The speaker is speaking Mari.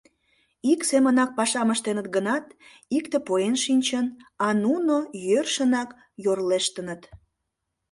Ик семынак пашам ыштеныт гынат, икте поен шинчын, а нуно йӧршынак йорлештыныт.